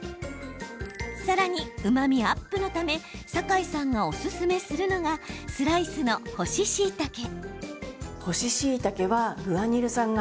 さらに、うまみアップのためサカイさんがおすすめするのがスライスの干ししいたけ。